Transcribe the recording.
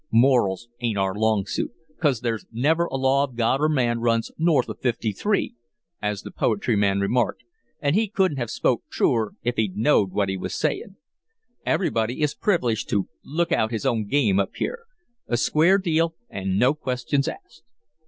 Morals ain't our long suit, 'cause 'there's never a law of God or man runs north of Fifty three,' as the poetry man remarked, an' he couldn't have spoke truer if he'd knowed what he was sayin'. Everybody is privileged to 'look out' his own game up here. A square deal an' no questions asked."